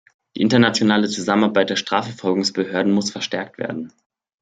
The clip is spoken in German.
Die internationale Zusammenarbeit der Strafverfolgungsbehörden muss verstärkt werden.